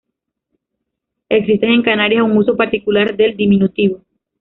Existe en Canarias un uso particular del diminutivo.